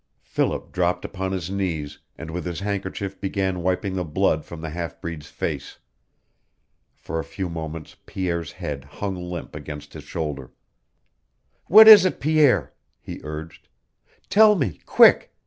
Philip dropped upon his knees, and with his handkerchief began wiping the blood from the half breed's face. For a few moments Pierre's head hung limp against his shoulder. "What is it, Pierre?" he urged. "Tell me quick!